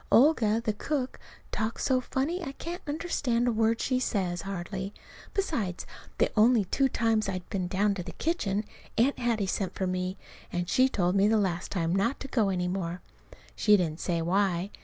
Olga, the cook, talks so funny I can't understand a word she says, hardly. Besides, the only two times I've been down to the kitchen Aunt Hattie sent for me; and she told me the last time not to go any more. She didn't say why.